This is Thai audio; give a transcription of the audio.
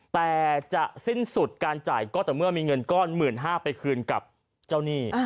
แต่จะสิ้นสุดการจ่ายก็แต่เมื่อมีเงินก้อน๑๕๐๐ไปคืนกับเจ้าหนี้